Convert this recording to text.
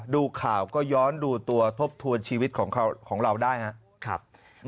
ดูข่าวก็ย้อนดูตัวทบทวนชีวิตของเราได้ครับ